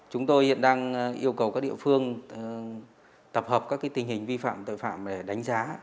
chúng tôi hiện đang yêu cầu các địa phương tập hợp các tình hình vi phạm tội phạm để đánh giá